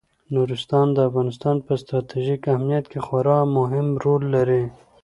نورستان د افغانستان په ستراتیژیک اهمیت کې خورا مهم رول لري.